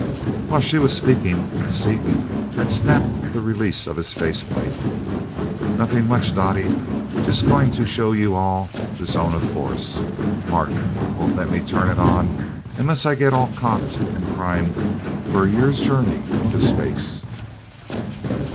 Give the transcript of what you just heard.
While she was speaking, Seaton had snapped the release of his face plate. "Nothing much, Dottie. Just going to show you all the zone of force. Mart wouldn't let me turn it on, unless I got all cocked and primed for a year's journey into space."